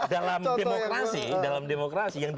dalam demokrasi yang dikatakan